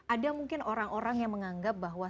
ada mungkin orang orang yang menganggap bahwa